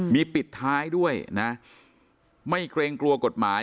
มีปิดท้ายด้วยนะไม่เกรงกลัวกฎหมาย